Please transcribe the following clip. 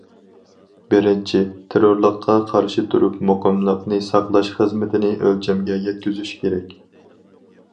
بىرىنچى، تېررورلۇققا قارشى تۇرۇپ مۇقىملىقنى ساقلاش خىزمىتىنى ئۆلچەمگە يەتكۈزۈش كېرەك.